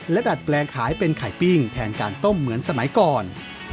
และดัดแปลงขายเป็นไข่ปิ้งแทนการต้มเหมือนสมัยก่อน